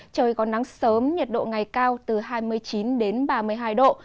trời có nắng sớm nhiệt độ ngày cao từ hai mươi chín đến ba mươi hai độ